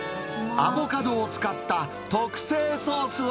アボカドを使った特製ソースは？